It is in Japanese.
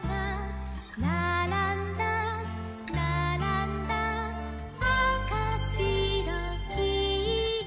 「ならんだならんだあかしろきいろ」